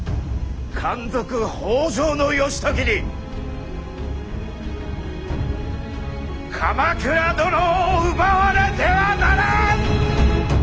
奸賊北条義時に鎌倉殿を奪われてはならん！